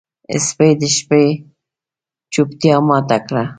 سپي د شپې چوپتیا ماته کړه.